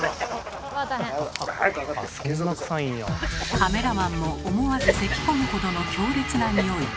カメラマンも思わずせきこむほどの強烈なニオイ。